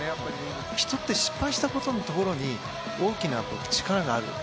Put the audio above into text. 人って失敗したところに大きな力がある。